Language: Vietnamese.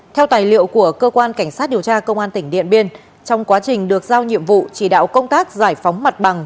theo tài liệu của cơ quan cảnh sát điều tra công an tỉnh điện biên trong quá trình được giao nhiệm vụ chỉ đạo công tác giải phóng mặt bằng